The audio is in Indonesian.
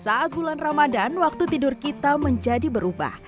saat bulan ramadan waktu tidur kita menjadi berubah